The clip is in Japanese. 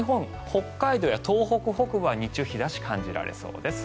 北海道や東北北部は日中、日差しが感じられそうです。